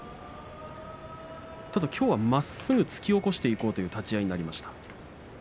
きょうは、まっすぐ突き起こしにいこうという立ち合いになりました。